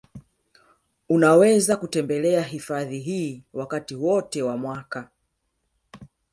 Unaweza kutembelea hifadhi hii wakati wote wa mwaka